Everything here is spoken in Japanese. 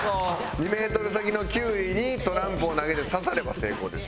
２メートル先のキュウリにトランプを投げて刺されば成功です。